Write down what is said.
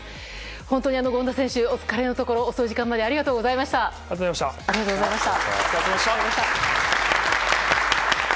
本当に権田選手、お疲れのところ遅い時間までありがとうございました。